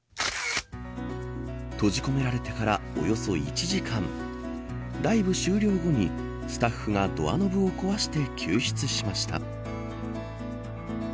閉じ込められてからおよそ１時間ライブ終了後にスタッフがドアノブを壊して救出しました。